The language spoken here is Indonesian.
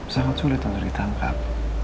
sangat sulit untuk ditangkap